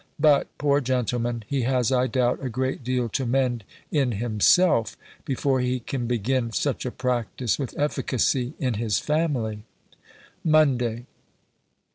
But, poor gentleman! he has, I doubt, a great deal to mend in himself, before he can begin such a practice with efficacy in his family. MONDAY.